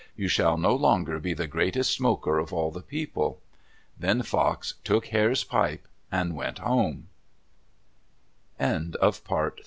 You shall no longer be the greatest smoker of all the people." Then Fox took Hare's pipe and went home. WHEN GLACIER MARR